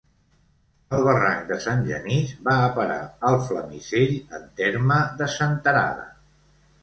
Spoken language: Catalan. El barranc de Sant Genís va a parar al Flamisell, en terme de Senterada.